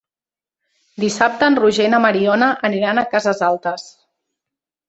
Dissabte en Roger i na Mariona aniran a Cases Altes.